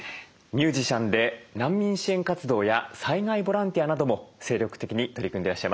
ミュージシャンで難民支援活動や災害ボランティアなども精力的に取り組んでらっしゃいます。